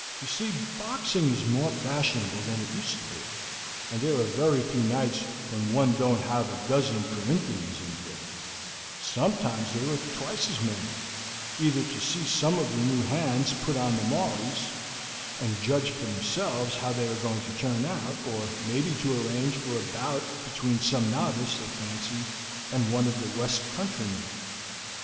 You see, boxing is more fashionable than it used to be, and there are very few nights when one don't have a dozen Corinthians in here sometimes there are twice as many either to see some of the new hands put on the mauleys, and judge for themselves how they are going to turn out, or maybe to arrange for a bout between some novice they fancy and one of the west countrymen.